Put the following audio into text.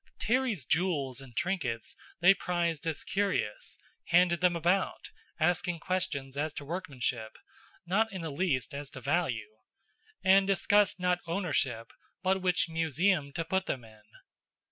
Terry's jewels and trinkets they prized as curios; handed them about, asking questions as to workmanship, not in the least as to value; and discussed not ownership, but which museum to put them in.